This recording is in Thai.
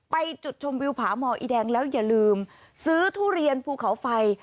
จุดชมวิวผาหมออีแดงแล้วอย่าลืมซื้อทุเรียนภูเขาไฟ